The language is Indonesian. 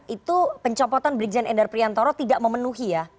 itu pencopotan berikisan ender priantoro tidak memenuhi ya